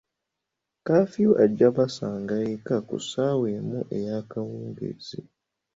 Kafiyu ajja basanga eka ku ssaawa emu eyakawungeezi.